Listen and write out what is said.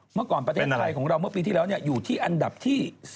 เมื่อก่อนประเทศไทยของเราเมื่อปีที่แล้วอยู่ที่อันดับที่๔